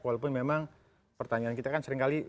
walaupun memang pertanyaan kita kan seringkali